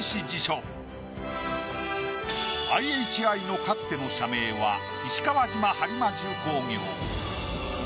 ＩＨＩのかつての社名は石川島播磨重工業。